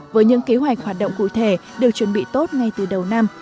với những kế hoạch hoạt động cụ thể được chuẩn bị tốt ngay từ đầu năm